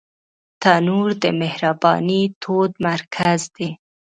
تنور د مهربانۍ تود مرکز دی